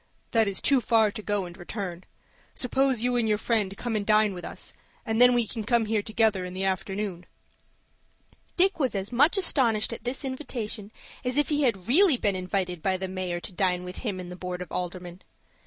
"That is too far to go and return. Suppose you and your friend come and dine with us, and then we can come here together in the afternoon." Dick was as much astonished at this invitation as if he had really been invited by the Mayor to dine with him and the Board of Aldermen.